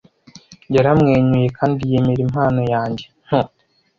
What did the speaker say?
Yaramwenyuye kandi yemera impano yanjye nto.